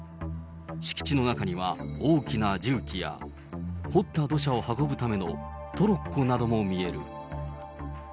敷地の中には、大きな重機や掘った土砂を運ぶためのトロッコなども見える。